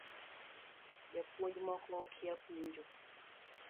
Jopuony moko okia puonjo